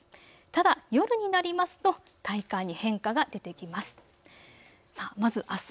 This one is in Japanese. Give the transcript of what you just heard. ただ夜になりますと体感に変化が出てきます。